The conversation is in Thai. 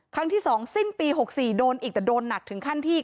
ครั้งที่๒สิ้นปี๖๔โดนอีกแต่โดนหนักถึงขั้นที่